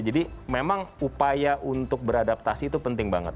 jadi memang upaya untuk beradaptasi itu penting banget